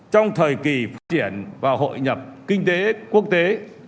trong thời kỳ phát triển và hội nhập kinh tế quốc tế